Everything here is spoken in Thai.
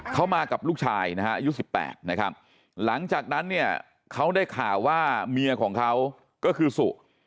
เขามากับลูกชายนะฮะอายุ๑๘นะครับหลังจากนั้นเนี่ยเขาได้ข่าวว่าเมียของเขาก็คือสุ